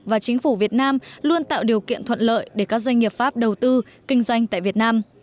và chính phủ việt nam luôn tạo điều kiện thuận lợi để các doanh nghiệp pháp đầu tư kinh doanh tại việt nam